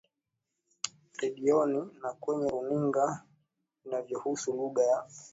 radioni na kwenye runinga vinavyohusu lugha ya